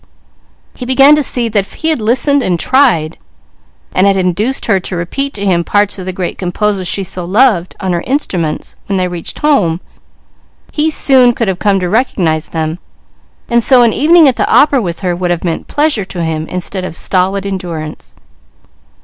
He began to see that if he had listened, and tried, and had induced her to repeat to him parts of the great composers she so loved, on her instruments, when they reached home, he soon could have come to recognize them, and so an evening at the opera with her would have meant pleasure to himself instead of stolid endurance.